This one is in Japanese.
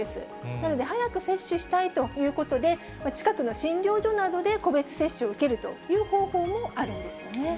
なので、早く接種したいということで、近くの診療所などで個別接種を受けるという方法もあるんですよね。